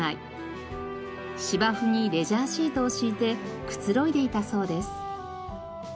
芝生にレジャーシートを敷いてくつろいでいたそうです。